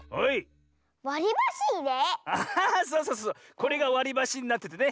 これがわりばしになっててね